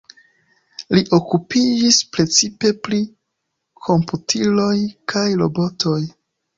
Li okupiĝis precipe pri komputiloj kaj robotoj.